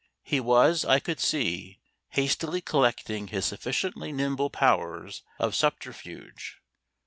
He was, I could see, hastily collecting his sufficiently nimble powers of subterfuge.